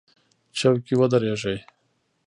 چوک کې ودرېږئ